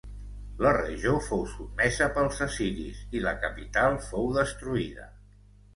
La regió fou sotmesa pels assiris i la capital fou destruïda.